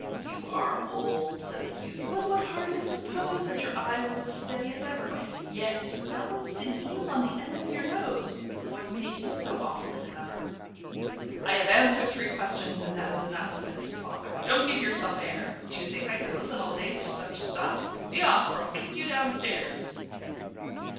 "You are old," said the youth, "one would hardly suppose That your eye was as steady as ever; Yet you balanced an eel on the end of your nose What made you so awfully clever?" "I have answered three questions, and that is enough," Said his father. "Don't give yourself airs! Do you think I can listen all day to such stuff? Be off, or I'll kick you down stairs.